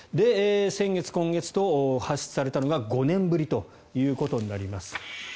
先月、今月と発出されたのが５年ぶりとなります。